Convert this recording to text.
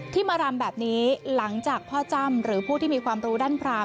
มารำแบบนี้หลังจากพ่อจ้ำหรือผู้ที่มีความรู้ด้านพราม